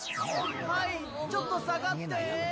はいちょっとさがって。